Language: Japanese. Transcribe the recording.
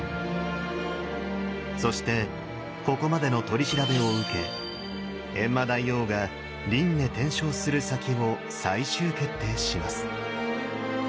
そしてここまでの取り調べを受け閻魔大王が輪廻転生する先を最終決定します。